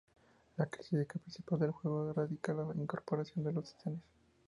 La característica principal del juego radica en la incorporación de los titanes.